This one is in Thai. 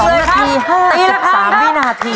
๒นาที๕๓นาที